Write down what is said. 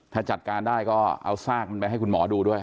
ถ้าจัดการได้ก็เอาซากมันไปให้คุณหมอดูด้วย